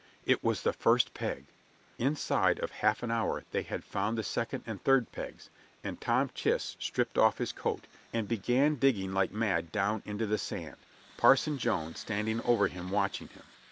It was the first peg! Inside of half an hour they had found the second and third pegs, and Tom Chist stripped off his coat, and began digging like mad down into the sand, Parson Jones standing over him watching him.